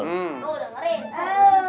nggak boleh ngeri